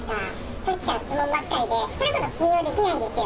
さっきから質問ばっかりで、それこそ信用できないですよ。